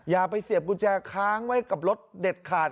อย่าไปเสียบกุญแจค้างไว้กับรถเด็ดขาด